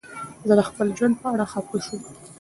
زه د خپل ژوند په اړه خفه شوم.